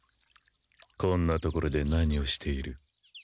こんな所で何をしている？